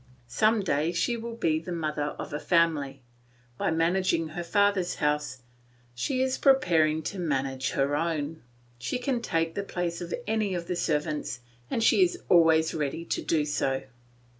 Some day she will be the mother of a family; by managing her father's house she is preparing to manage her own; she can take the place of any of the servants and she is always ready to do so.